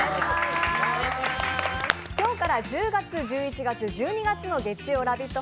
今日から１０月、１１月、１２月の月曜ラヴィット！